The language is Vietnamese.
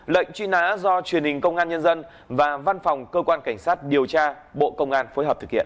lệnh truy nã do truyền hình công an nhân dân và văn phòng cơ quan cảnh sát điều tra bộ công an phối hợp thực hiện